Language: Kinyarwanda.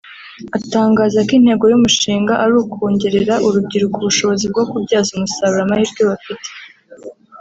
Atangaza ko intego y’umushinga ari ukongerera urubyiruko ubushobozi bwo kubyaza umusaruro amahirwe bafite